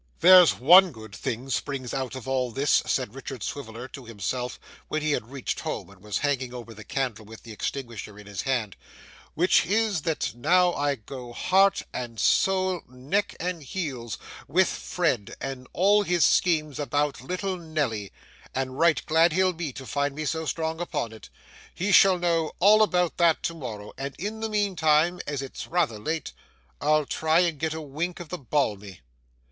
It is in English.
'There's one good thing springs out of all this,' said Richard Swiviller to himself when he had reached home and was hanging over the candle with the extinguisher in his hand, 'which is, that I now go heart and soul, neck and heels, with Fred in all his scheme about little Nelly, and right glad he'll be to find me so strong upon it. He shall know all about that to morrow, and in the meantime, as it's rather late, I'll try and get a wink of the balmy.